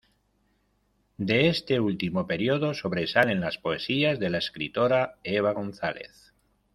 De este último periodo sobresalen las poesías de la escritora Eva González.